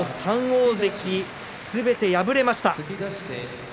３大関すべて敗れました。